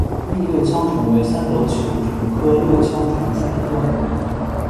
栗六枪虫为三轴球虫科六枪虫属的动物。